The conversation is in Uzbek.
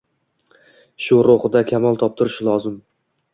Shu ruhida kamol toptirish lozim.